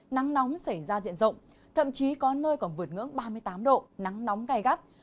nắng nóng xảy ra diện rộng thậm chí có nơi còn vượt ngưỡng ba mươi tám độ nắng nóng gai gắt